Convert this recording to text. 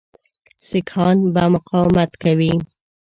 سیکهان به مقاومت کوي.